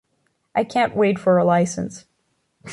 I can't wait for a licence.